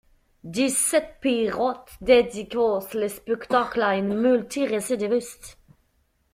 Dix-sept pirates dédicacent les spectacles à une multi-récidiviste!